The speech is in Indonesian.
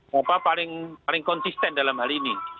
bapak paling konsisten dalam hal ini